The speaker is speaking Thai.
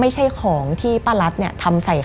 มันกลายเป็นรูปของคนที่กำลังขโมยคิ้วแล้วก็ร้องไห้อยู่